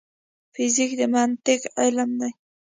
فزیک د منطق علم دی